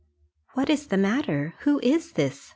"What is the matter? Who is this?"